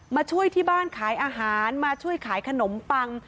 มาช่วยที่บ้านขายอาหารมาช่วยขายขนมปัง